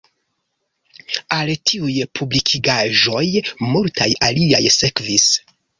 Al tiuj publikigaĵoj multaj aliaj sekvis.